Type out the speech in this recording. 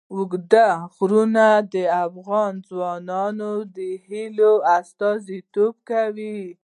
اوږده غرونه د افغان ځوانانو د هیلو استازیتوب کوي.